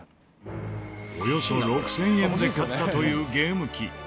およそ６０００円で買ったというゲーム機。